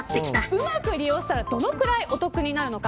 うまく利用したらどのぐらいお得になってくるのか。